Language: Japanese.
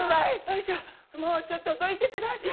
よいしょ、もうちょっとどいてください。